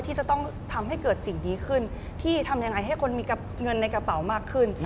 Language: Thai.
ที่จะต้องทำให้เกิดสิ่งดีขึ้นที่ทำยังไงให้คนมีเงินในกระเป๋ามากขึ้น